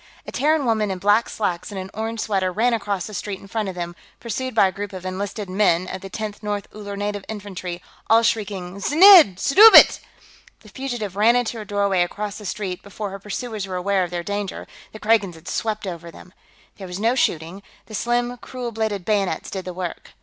A Terran woman, in black slacks and an orange sweater, ran across the street in front of them, pursued by a group of enlisted "men" of the Tenth North Uller Native Infantry, all shrieking "Znidd suddabit!" The fugitive ran into a doorway across the street; before her pursuers were aware of their danger, the Kragans had swept over them. There was no shooting; the slim, cruel bladed bayonets did the work.